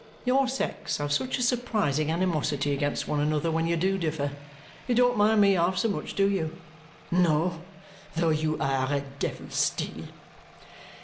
Your sex have such a surprising animosity against one another when you do differ. You don't mind me half so much, do you?" "No. Though you are a devil still."